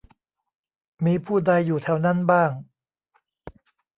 มีผู้ใดอยู่แถวนั้นบ้าง